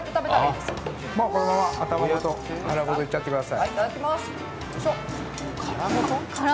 もうこのまま頭ごと、殻ごといっちゃってください。